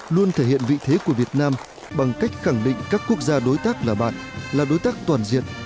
luôn thể hiện vị thế của việt nam bằng cách khẳng định các quốc gia đối tác là bạn là đối tác toàn diện